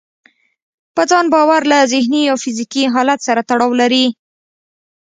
په ځان باور له ذهني او فزيکي حالت سره تړاو لري.